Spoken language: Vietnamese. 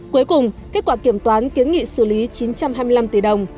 cuối cùng kết quả kiểm toán kiến nghị xử lý chín trăm hai mươi năm tỷ đồng